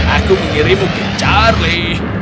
aku mengirimmu ke charlie